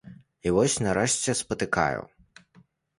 І вось нарэшце спатыкаю.